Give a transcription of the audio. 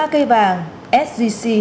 một mươi ba cây vàng sgc